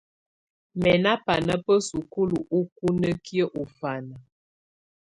̣Mɛ̀ nà bana bà sukulu ukunǝkiǝ́ ù ɔfana.